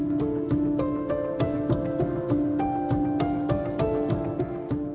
kecuali harus melakukan yang izin dulu